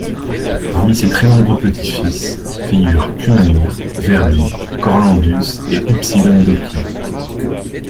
Parmi ses très nombreux petits-fils figurent Cumano, Verdi, Corlandus et Upsilon d'Ocquier.